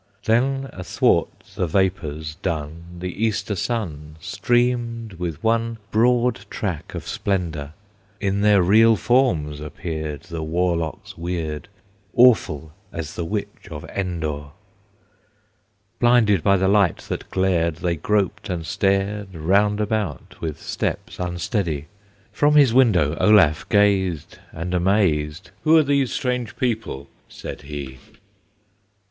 Then athwart the vapors dun The Easter sun Streamed with one broad track of splendor! In their real forms appeared The warlocks weird, Awful as the Witch of Endor. Blinded by the light that glared, They groped and stared Round about with steps unsteady; From his window Olaf gazed, And, amazed, "Who are these strange people?" said he.